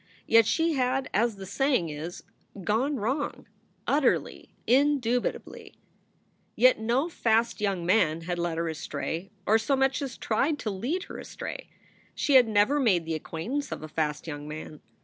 Yet she had, as the saying is, gone wrong utterly, indubitably. Yet no fast young men had led her astray, or so much as tried to lead her astray. She had never made the acquaint ance of a fast young man.